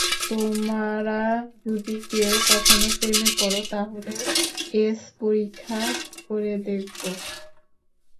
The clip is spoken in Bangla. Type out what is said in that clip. তোমরা যদি কেউ কখনো প্রেমে পড়, তাহলে এস, পরীক্ষা করে দেখব।